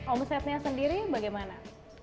omsetnya sendiri bagaimana